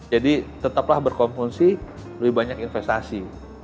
jadi tetaplah berkonsumsi lebih banyak investasi